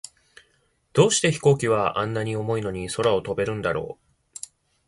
どうして飛行機は、あんなに重いのに空を飛べるんだろう。